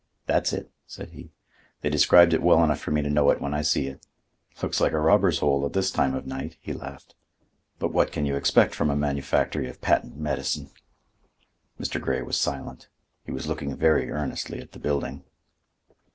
"That's it." said he. "They described it well enough for me to know it when I see it. Looks like a robber's hole at this time of night," he laughed; "but what can you expect from a manufactory of patent medicine?" Mr. Grey was silent. He was looking very earnestly at the building.